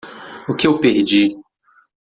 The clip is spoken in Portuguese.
O que eu perdi?